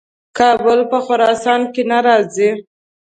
کابل په خراسان کې نه راځي.